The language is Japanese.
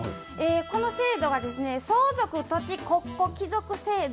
この制度が相続土地国庫帰属制度。